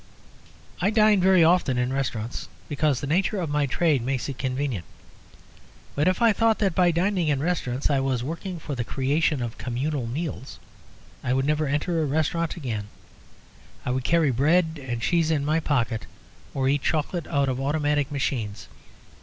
I dine very often in restaurants because the nature of my trade makes it convenient: but if I thought that by dining in restaurants I was working for the creation of communal meals, I would never enter a restaurant again; I would carry bread and cheese in my pocket or eat chocolate out of automatic machines.